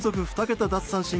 ２桁奪三振